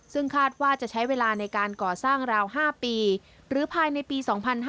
ซึ่งคาดว่าจะใช้เวลาในการก่อสร้างราว๕ปีหรือภายในปี๒๕๕๙